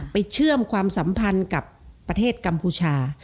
เชื่อมความสัมพันธ์กับประเทศกัมพูชา